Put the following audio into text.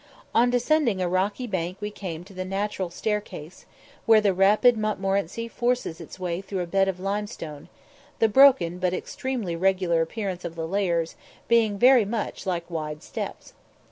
On descending a rocky bank we came to the "natural staircase," where the rapid Montmorenci forces its way through a bed of limestone, the broken but extremely regular appearance of the layers being very much like wide steps.